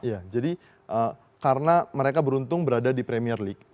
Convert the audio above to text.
ya jadi karena mereka beruntung berada di premier league